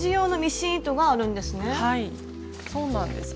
はいそうなんです。